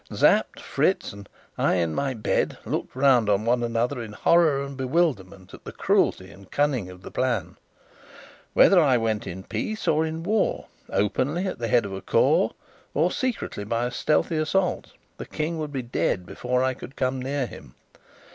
Sapt, Fritz, and I in my bed, looked round on one another in horror and bewilderment at the cruelty and cunning of the plan. Whether I went in peace or in war, openly at the head of a corps, or secretly by a stealthy assault, the King would be dead before I could come near him.